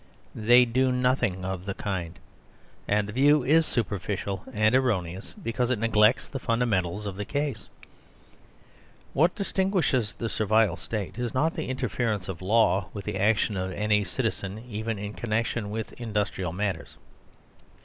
They do nothing of the kind ; and the view is super ficial and erroneous because it neglects the funda mentals of the case. What distinguishes the Servile State is not the interference of law with the action 155 THE SERVILE STATE of any citizen even in connection with industrial matters.